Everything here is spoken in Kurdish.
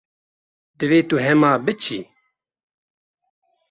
Divê tu hema biçî.